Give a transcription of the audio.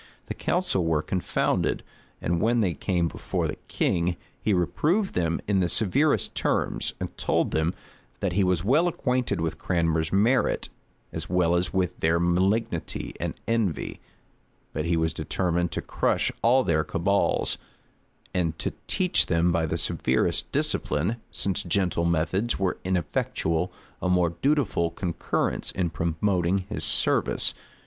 The council were confounded; and when they came before the king, he reproved them in the severest terms; and told them, that he was well acquainted with Cranmer's merit, as well as with their malignity and envy; but he was determined to crush all their cabals, and to teach them by the severest discipline, since gentle methods were ineffectual, a more dutiful concurrence in promoting his service.